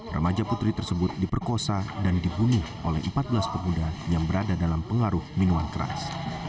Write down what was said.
remaja putri tersebut diperkosa dan dibunuh oleh empat belas pemuda yang berada dalam pengaruh minuman keras